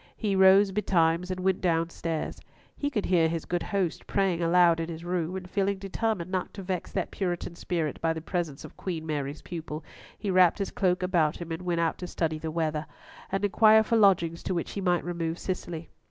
He rose betimes and went downstairs. He could hear his good host praying aloud in his room, and feeling determined not to vex that Puritan spirit by the presence of Queen Mary's pupil, he wrapped his cloak about him and went out to study the weather, and inquire for lodgings to which he might remove Cicely.